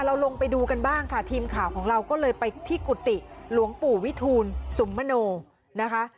ลงไปดูกันบ้างค่ะทีมข่าวของเราก็เลยไปที่กุฏิหลวงปู่วิทูลสุมมโนนะคะ